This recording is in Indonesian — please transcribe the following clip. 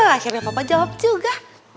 akhirnya papa jawab juga